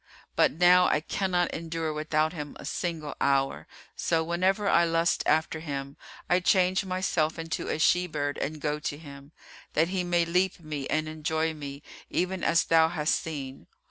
But now I cannot endure without him a single hour; so, whenever I lust after him, I change myself into a she bird and go to him, that he may leap me and enjoy me, even as thou hast seen.